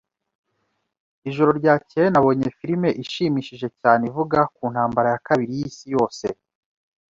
Ijoro ryakeye nabonye filime ishimishije cyane ivuga ku Ntambara ya Kabiri y'Isi Yose.